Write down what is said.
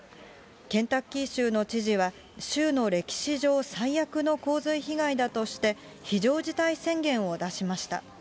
ケンタッキー州の知事は、州の歴史上最悪の洪水被害だとして、非常事態宣言を出しました。